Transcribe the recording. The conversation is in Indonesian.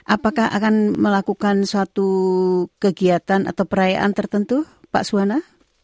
apakah akan melakukan suatu kegiatan atau perayaan tertentu pak suwana